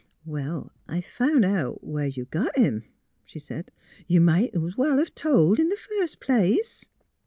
'' Well, I've found out where you got him," she said. '' You might 's well 've told in the first place."